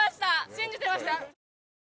信じてました！